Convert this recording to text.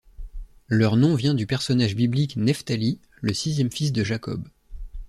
Leur nom vient du personnage biblique Nephtali, le sixième fils de Jacob.